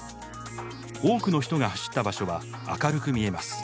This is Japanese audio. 多くの人が走った場所は明るく見えます。